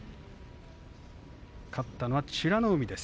勝ったのは美ノ海です。